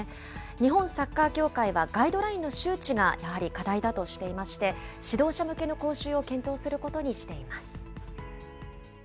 日本サッカー協会は、ガイドラインの周知がやはり課題だとしていまして、指導者向けの講習を検討することにしています。